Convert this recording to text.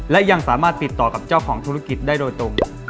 และยังสามารถติดต่อกับเจ้าของธุรกิจได้โดยตรง